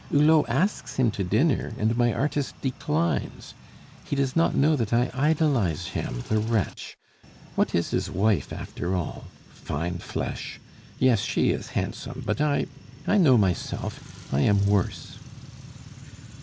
"Hulot asks him to dinner, and my artist declines. He does not know that I idolize him, the wretch! What is his wife after all? Fine flesh! Yes, she is handsome, but I I know myself I am worse!"